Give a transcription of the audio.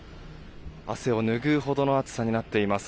汗をぬぐうほどの暑さになっています。